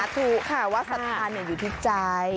ถูกค่ะว่าสัตว์ภาพเนี่ยอยู่ที่ใจ